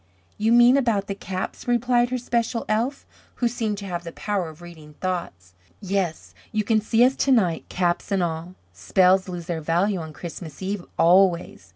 "You mean about the caps," replied her special elf, who seemed to have the power of reading thought. "Yes, you can see us to night, caps and all. Spells lose their value on Christmas Eve, always.